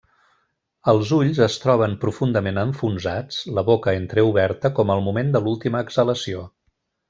Els ulls es troben profundament enfonsats, la boca entreoberta com al moment de l'última exhalació.